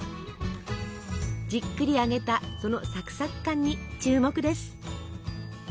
じっくり揚げたそのサクサク感に注目です。